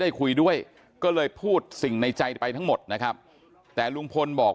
คุยด้วยก็เลยพูดสิ่งในใจไปทั้งหมดนะครับแต่ลุงพลบอก